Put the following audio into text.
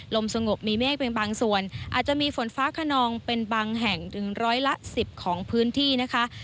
ลมสงบมีเมฆเป็นบางส่วนอาจจะมีฝนฟ้าขนองเป็นบางแห่งถึงร้อยละ๑๐ของพื้นที่นะคะ